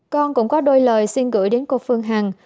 con cũng có đôi lời xin gửi đến cô phương hằng